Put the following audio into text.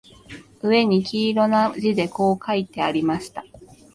上に黄色な字でこう書いてありました